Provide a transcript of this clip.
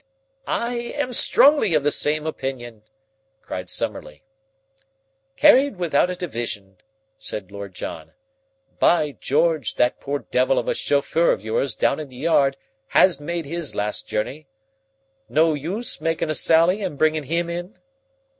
"I am strongly of the same opinion," cried Summerlee. "Carried without a division," said Lord John. "By George, that poor devil of a chauffeur of yours down in the yard has made his last journey. No use makin' a sally and bringin' him in?"